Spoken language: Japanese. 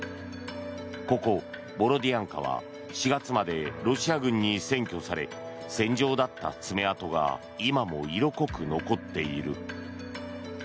ここボロディアンカは４月までロシア軍に占拠され戦場だった爪痕が今も色濃く残っている。